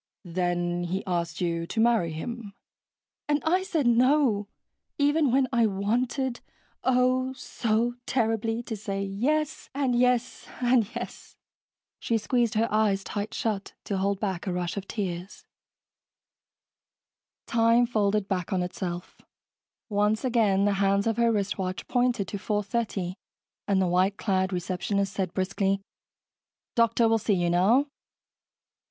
"Then he asked you to marry him." "And I said no, even when I wanted, oh, so terribly, to say yes and yes and yes." She squeezed her eyes tight shut to hold back a rush of tears. Time folded back on itself. Once again, the hands of her wristwatch pointed to 4:30 and the white clad receptionist said briskly, "Doctor will see you now."